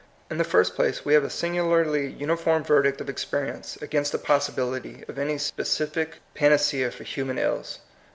In the first place, we have a singularly uni form verdict of experience against the pos sibility of any specific panacea for human ills.